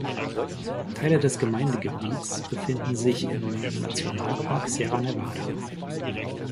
Teile des Gemeindegebiets befinden sich im Nationalpark Sierra Nevada.